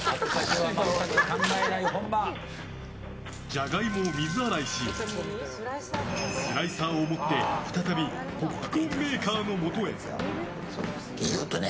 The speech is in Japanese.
ジャガイモを水洗いしスライサーを持って再びポップコーンメーカーのもとへ。